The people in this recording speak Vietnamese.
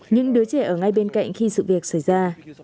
những đứa trẻ ở ngay bên cạnh khi sự việc xảy ra